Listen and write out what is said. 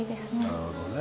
なるほどね。